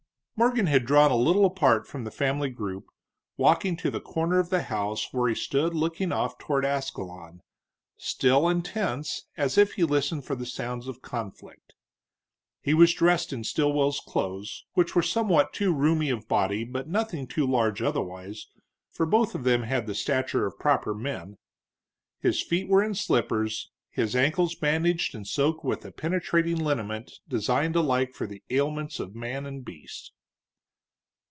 Morgan had drawn a little apart from the family group, walking to the corner of the house where he stood looking off toward Ascalon, still and tense as if he listened for the sounds of conflict. He was dressed in Stilwell's clothes, which were somewhat too roomy of body but nothing too large otherwise, for both of them had the stature of proper men. His feet were in slippers, his ankles bandaged and soaked with the penetrating liniment designed alike for the ailments of man and beast.